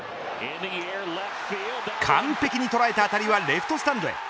完璧に捉えた当たりはレフトスタンドへ。